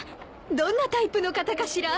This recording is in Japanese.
どんなタイプの方かしら？